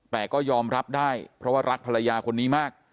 แต่ก็ยอมรับได้เพราะว่ารักภรรยาคนนี้มาก